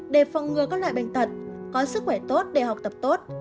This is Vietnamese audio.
để phòng ngừa các loại bệnh tật có sức khỏe tốt để học tập tốt